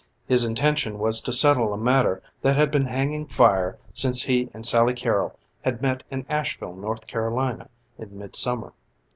His intention was to settle a matter that had been hanging fire since he and Sally Carrol had met in Asheville, North Carolina, in midsummer.